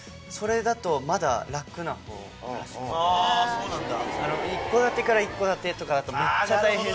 そうなんだ。